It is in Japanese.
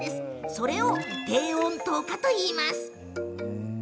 それを低温糖化といいます。